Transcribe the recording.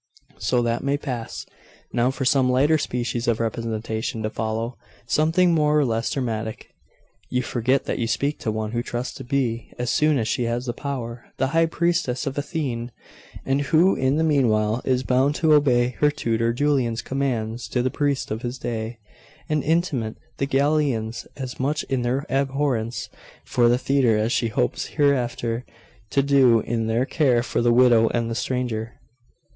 So that may pass. Now for some lighter species of representation to follow something more or less dramatic.' 'You forget that you speak to one who trusts to be, as soon as she has the power, the high priestess of Athene, and who in the meanwhile is bound to obey her tutor Julian's commands to the priests of his day, and imitate the Galilaeans as much in their abhorrence for the theatre as she hopes hereafter to do in their care for the widow and the stranger.